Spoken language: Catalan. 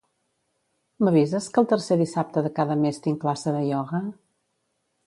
M'avises que el tercer dissabte de cada mes tinc classe de ioga?